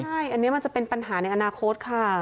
ใช่อันนี้มันจะเป็นปัญหาในอนาคตค่ะ